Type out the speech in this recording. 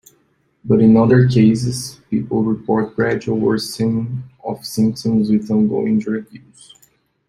But in other cases, people report gradual worsening of symptoms with ongoing drug use.